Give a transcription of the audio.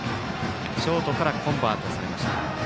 ショートからコンバートされました。